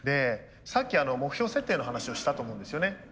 さっき目標設定の話をしたと思うんですよね。